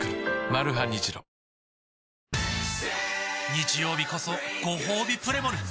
日曜日こそごほうびプレモル！